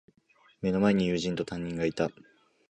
目の前に友人と、担任がいた。